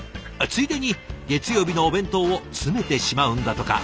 ついでに月曜日のお弁当を詰めてしまうんだとか。